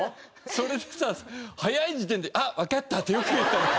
それでさ早い時点で「あっわかった！」ってよく言えたね。